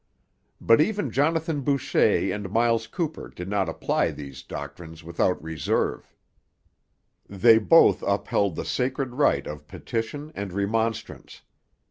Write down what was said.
But even Jonathan Boucher and Myles Cooper did not apply these doctrines without reserve. They both upheld the sacred right of petition and remonstrance.